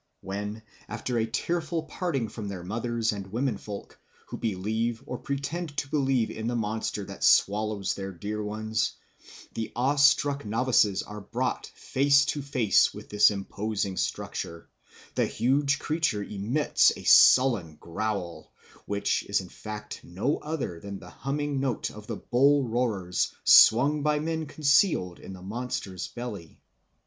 When after a tearful parting from their mothers and women folk, who believe or pretend to believe in the monster that swallows their dear ones, the awe struck novices are brought face to face with this imposing structure, the huge creature emits a sullen growl, which is in fact no other than the humming note of bull roarers swung by men concealed in the monster's belly.